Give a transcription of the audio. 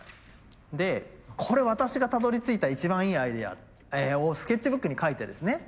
で「これ私がたどりついた一番いいアイデア」をスケッチブックにかいてですね